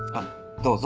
どうぞ。